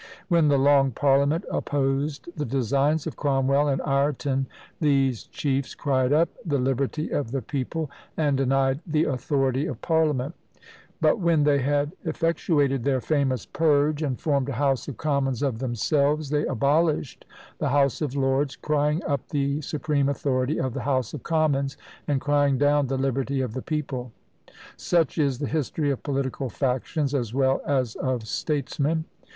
When "the Long Parliament" opposed the designs of Cromwell and Ireton, these chiefs cried up "the liberty of the people," and denied "the authority of parliament:" but when they had effectuated their famous "purge," and formed a House of Commons of themselves, they abolished the House of Lords, crying up the supreme authority of the House of Commons, and crying down the liberty of the people. Such is the history of political factions, as well as of statesmen!